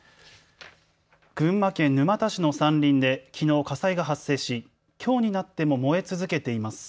群馬県沼田市の山林できのう火災が発生しきょうになっても燃え続けています。